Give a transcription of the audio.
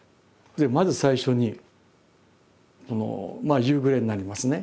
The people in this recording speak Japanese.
でまず最初にまあ夕暮れになりますね。